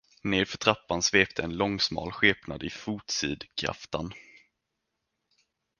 Ned för trappan svepte en långsmal skepnad i fotsid kaftan.